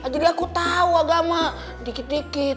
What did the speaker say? jadi aku tau agama dikit dikit